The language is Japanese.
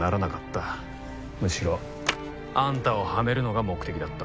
むしろあんたをはめるのが目的だった。